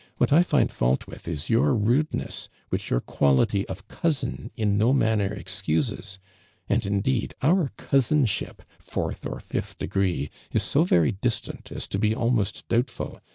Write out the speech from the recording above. ••Wliat I find fault with is your ruilcness, which your (juality of cousin in no manner excuse. !. An<l, indeed, our cousinship, fourth or fifth degree, is so very distant as to be almost doui)tful.